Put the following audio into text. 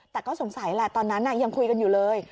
แต่ก็สงสัยแหละตอนนั้นยังคุยกันอยู่เลย